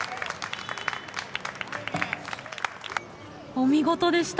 お見事でした。